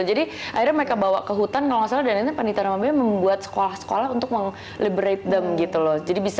jadi akhirnya mereka bawa ke hutan kalau gak salah dan pandita ramabai membuat sekolah sekolah untuk mengembalikan mereka gitu loh